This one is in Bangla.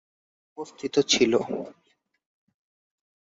অবস্থিত ছিল।